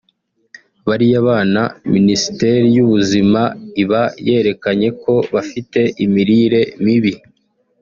bariya bana Minisiteri y’Ubuzima iba yerekanye ko bafite imirire mibi